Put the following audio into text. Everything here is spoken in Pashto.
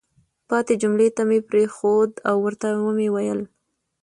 پاتې جملې ته مې پرېنښود او ورته ومې ویل: